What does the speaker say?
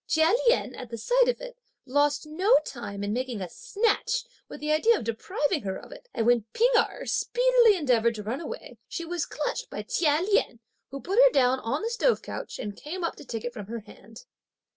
Chia Lien, at the sight of it, lost no time in making a snatch with the idea of depriving her of it; and when P'ing Erh speedily endeavoured to run away, she was clutched by Chia Lien, who put her down on the stove couch, and came up to take it from her hand.